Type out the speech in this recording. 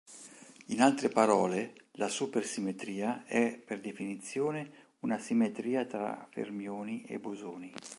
In altre parole la supersimmetria è per definizione una simmetria tra fermioni e bosoni.